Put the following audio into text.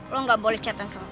lo gak boleh chat an sama okan